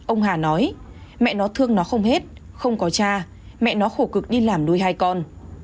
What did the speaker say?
ông hà nói mẹ nó thương nó không hết không có cha mẹ nó khổ cực đi làm nuôi hai con